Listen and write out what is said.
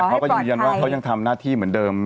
เขาก็ยืนยันว่าเขายังทำหน้าที่เหมือนเดิม